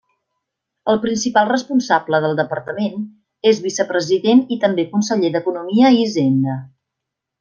El principal responsable del departament és Vicepresident i també conseller d'Economia i Hisenda.